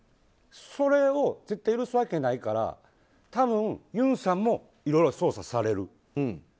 それを絶対許すわけないから多分、尹さんもいろいろ捜査される。